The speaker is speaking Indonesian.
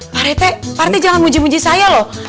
pak rete pak rete jangan muji muji saya loh